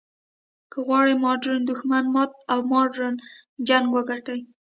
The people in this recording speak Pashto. که غواړې ماډرن دښمن مات او ماډرن جنګ وګټې.